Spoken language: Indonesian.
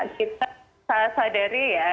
kita sadari ya